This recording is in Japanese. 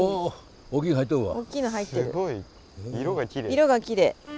色がきれい。